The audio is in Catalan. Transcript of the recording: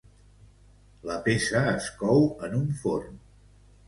La peça es cou en un forn.